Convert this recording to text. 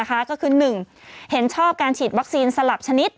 ก็คือ๑เห็นชอบการฉีดวัคซีนสลับชนิด